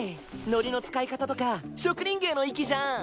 海苔の使い方とか職人芸の域じゃん！